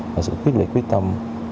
là sự quyết định quyết tâm